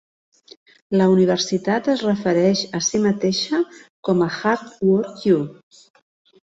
La universitat es refereix a si mateixa com a "Hard Work U".